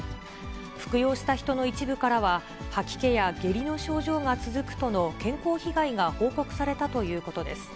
服用した人の一部からは、吐き気や下痢の症状が続くとの健康被害が報告されたということです。